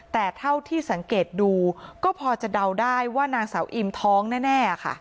แต่เท่าที่สังเกตดูก็พอจะเดาได้ว่านางสาวอิมท้องแน่ค่ะ